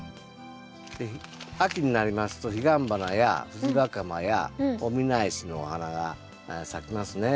秋になりますとヒガンバナやフジバカマやオミナエシのお花が咲きますね。